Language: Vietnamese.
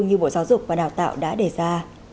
như bộ giáo dục và đào tạo đã đề ra